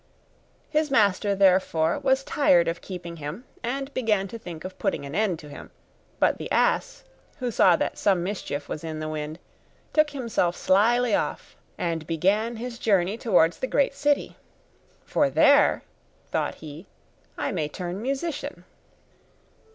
His master therefore was tired of keeping him and began to think of putting an end to him; but the ass, who saw that some mischief was in the wind, took himself slyly off, and began his journey towards the great city, 'For there,' thought he, 'I may turn musician.